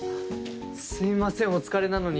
すいませんお疲れなのに。